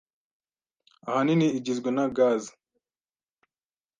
ahanini igizwe na gazi.